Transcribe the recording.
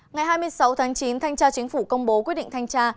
ngày hai mươi sáu tháng chín thanh tra chính phủ công bố quyết định thanh tra